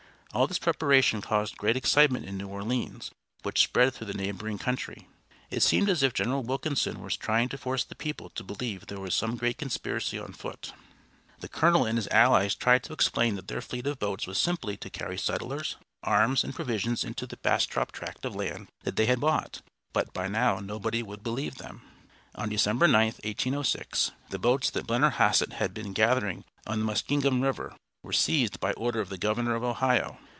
All this preparation caused great excitement in New Orleans, which spread through the neighboring country. It seemed as if General Wilkinson were trying to force the people to believe there was some great conspiracy on foot. The colonel and his allies tried to explain that their fleet of boats was simply to carry settlers, arms and provisions into the Bastrop tract of land that they had bought; but by now nobody would believe them. On December 9, 1806, the boats that Blennerhassett had been gathering on the Muskingum River were seized by order of the governor of Ohio.